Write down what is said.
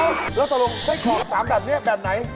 แล้วตรงไส้กอก๓ดับนี้ดับไหน